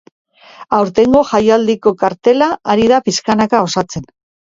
Aurtengo jaialdiko kartela ari da pixkanaka osatzen.